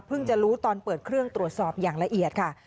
จะรู้ตอนเปิดเครื่องตรวจสอบอย่างละเอียดค่ะ